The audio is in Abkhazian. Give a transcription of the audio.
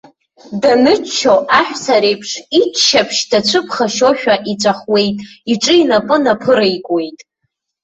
Даныччо, аҳәса реиԥш, иччаԥшь дацәыԥхашьошәа, иҵәахуеит, иҿы инапы наԥыраикуеит.